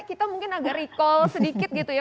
kita mungkin agak recall sedikit gitu ya